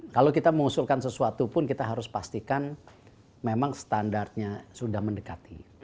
kalau kita mengusulkan sesuatu pun kita harus pastikan memang standarnya sudah mendekati